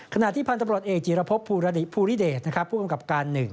ขณะที่พันธบรรยศเอกจีระปบภูริเดคผู้งำกรับการ๑